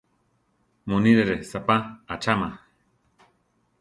Munírere saʼpá achama.